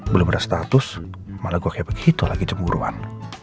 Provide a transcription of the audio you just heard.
belum ada status malah gue kayak begitu lagi cemburuan